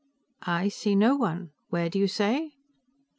"I see no one. Where do you say?"